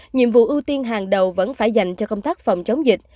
nhiệm vụ ưu tiên hàng đầu vẫn phải dành cho công tác phòng chống dịch